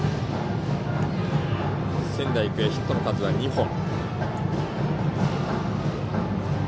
仙台育英、ヒットの数は２本。